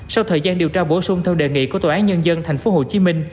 sau thời gian điều tra bổ sung theo đề nghị của tòa án nhân dân tp hcm